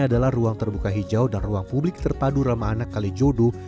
adalah ruang terbuka hijau dan ruang publik terpadu ramah anak kalijodo